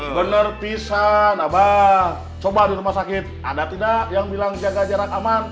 bener pisang abah coba di rumah sakit ada tidak yang bilang jaga jarak aman